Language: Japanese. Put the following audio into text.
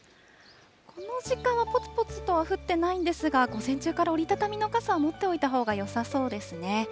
この時間はぽつぽつとは降ってないんですが、午前中から折り畳みの傘を持っておいたほうがよさそうですね。